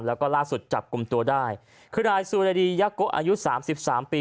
แล้วก็ล่าสุดจับกลุ่มตัวได้คือนายสุรดียะโกะอายุสามสิบสามปี